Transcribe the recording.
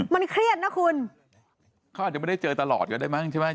มันเครียดนะคุณเขาอาจจะไม่ได้เจอตลอดก็ได้มั้งใช่ไหม